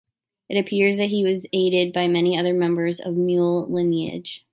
It appears that he was aided by many other members of the Muyeol lineage.